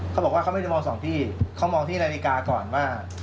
เขาบอกว่าเขาไม่ได้มองสองที่เขามองที่นาฬิกาก่อนว่า